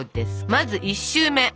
まず１周目。